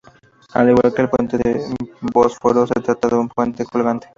Al igual que el puente del Bósforo, se trata de un puente colgante.